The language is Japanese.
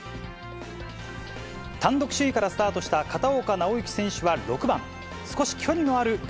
単独首位からスタートした片岡尚之選手は６番、少し距離のあるバ